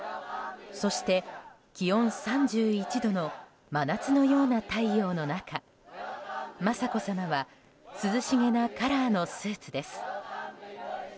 そして、気温３１度の真夏のような太陽の中雅子さまは涼しげなカラーのスーツです。